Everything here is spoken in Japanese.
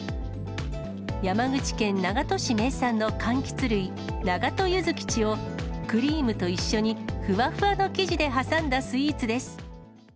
山口県長門市名産のかんきつ類、長門ゆずきちをクリームと一緒にふわふわの生地で挟んだスイーツです。